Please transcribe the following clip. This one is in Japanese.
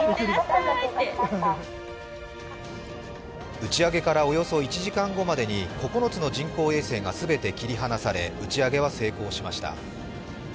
打ち上げからおよそ１時間後までに９つの人工衛星が全て切り離され、打ち上げは成功しました。